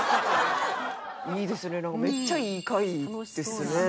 いいですねなんかめっちゃいい会ですね。